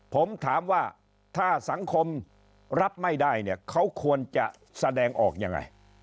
ผมถามว่าถ้าสังคมรับไม่ได้เนี่ยเขาควรจะแสดงออกยังไง